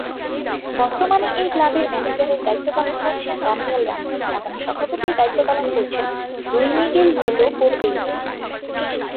বর্তমানে এই ক্লাবের ম্যানেজারের দায়িত্ব পালন করছেন দানিয়েল রামোস এবং সভাপতির দায়িত্ব পালন করছেন রুই মিগেল মেলো কোরদেইরো।